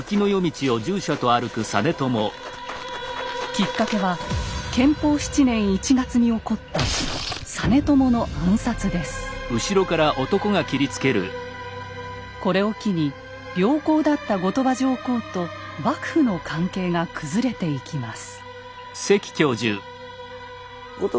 きっかけは建保７年１月に起こったこれを機に良好だった後鳥羽上皇と幕府の関係が崩れていきます。